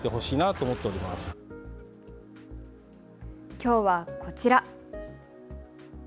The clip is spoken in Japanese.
きょうは、こちら。